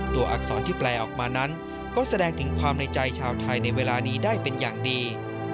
อักษรที่แปลออกมานั้นก็แสดงถึงความในใจชาวไทยในเวลานี้ได้เป็นอย่างดี